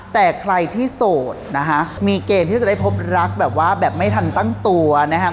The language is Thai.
แต่ใครที่โสดนะคะมีเกณฑ์ที่จะได้พบรักแบบว่าแบบไม่ทันตั้งตัวนะครับ